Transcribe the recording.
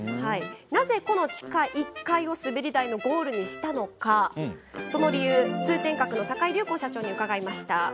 なぜ地下１階を滑り台のゴールにしたのか通天閣の高井社長に伺いました。